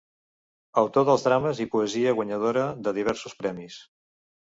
Autor dels drames i poesia guanyadora de diversos premis.